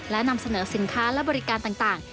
และนำเสนอสินค้าและบริการต่าง